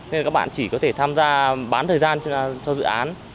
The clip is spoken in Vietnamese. nên là các bạn chỉ có thể tham gia bán thời gian cho dự án